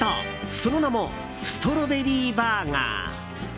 その名も、ストロベリーバーガー。